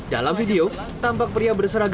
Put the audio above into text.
dalam video tampak pria berseragam dengan tersangka